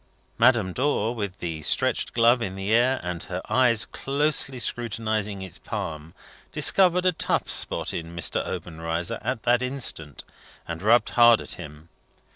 Madame Dor, with the stretched glove in the air, and her eyes closely scrutinizing its palm, discovered a tough spot in Mr. Obenreizer at that instant, and rubbed hard at him.